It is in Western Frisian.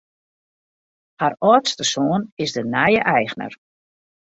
Har âldste soan is de nije eigner.